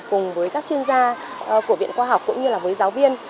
cùng với các chuyên gia của viện khoa học cũng như là với giáo viên